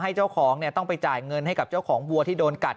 เจ้าของต้องไปจ่ายเงินให้กับเจ้าของวัวที่โดนกัด